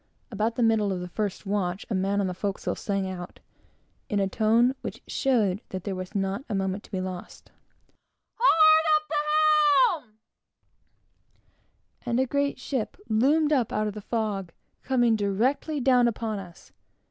About the middle of the first watch, a man on the forecastle sang out, in a tone which showed that there was not a moment to be lost, "Hard up the helm!" and a great ship loomed up out of the fog, coming directly down upon us.